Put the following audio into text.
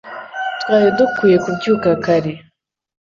Twari dukwiye kubyuka kare